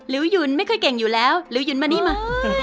ลิ้วยุ้นไม่เคยเก่งอยู่แล้วลิ้วยุ้นมานี่มา